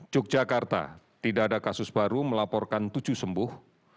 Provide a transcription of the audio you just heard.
yogyakarta tidak ada kasus baru melaporkan tujuh sembuh